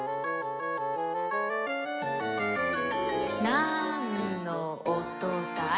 「なんのおとだい？